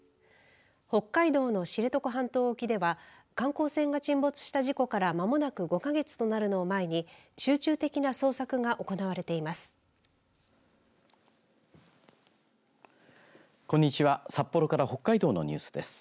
北海道の知床半島沖では観光船が沈没した事故からまもなく５か月となるのを前に集中的な捜索が行われています。